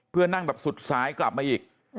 เพื่อนั่งแบบสุดซ้ายกลับมาอีก